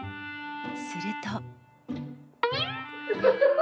すると。